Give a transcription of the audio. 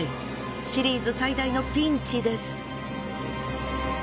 シリーズ最大のピンチです。